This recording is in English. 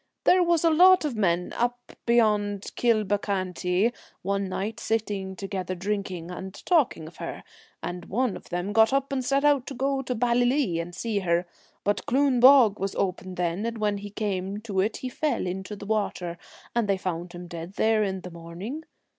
There was a lot of men up beyond Kilbecanty one night sitting together drinking, and talking of her, and one of them got up and set out to go to Ballylee and see her ; but Cloon Bog was open then, and when he came to it he fell into the water, and they found him dead there in the morning.